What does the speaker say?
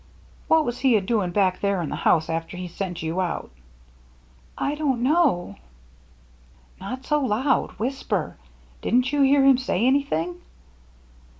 " What was he a doin* back there in the house after he sent you out ?"" I don't know." " Not so loud 7 whisper. Didn't you hear him say anything